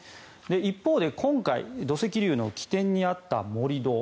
一方で今回土石流の起点にあった盛り土